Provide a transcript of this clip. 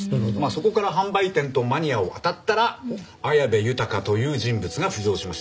そこから販売店とマニアを当たったら綾部豊という人物が浮上しました。